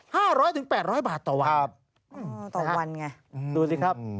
ห้าร้อยถึงแปดร้อยบาทต่อวันอ๋อต่อวันไงดูสิครับ